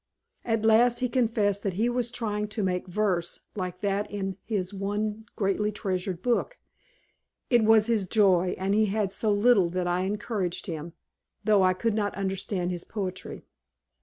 "At last he confessed that he was trying to make verse like that in his one greatly treasured book. It was his joy, and he had so little that I encouraged him, though I could not understand his poetry.